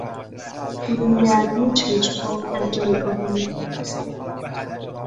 برونگردی چشمها از جایگاه میانی خود